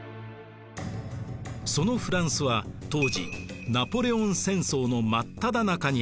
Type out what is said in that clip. そのフランスは当時ナポレオン戦争のまっただ中にありました。